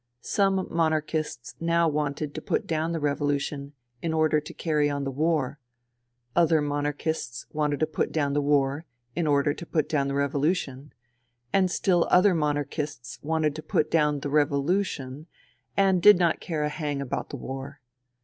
Some monarchists now wanted to put down the revolution in order to carry on the war ; other monarchists wanted to put down the war in order to put down the revolution ; and still other monarchists wanted to put down the revolution and did not care a hang about the war.